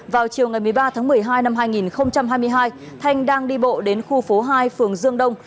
vào chiều ngày một mươi ba tháng một mươi hai năm hai nghìn hai mươi hai thanh đang đi bộ đến khu phố hai phường dương đông